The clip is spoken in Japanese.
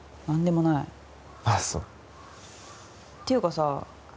何でもないあっそていうかさ